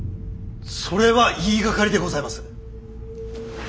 それは言いがかりでございます！